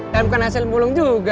bukan hasil mulung juga